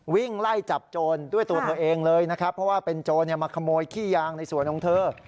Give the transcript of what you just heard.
วิ่งไล่จับโจรด้วยตัวเธอเองเลยนะครับเพราะว่าเป็นโจรมาขโมยขี้ยางในสวนของเธอ